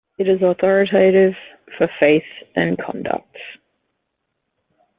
It is authoritative for faith and conduct.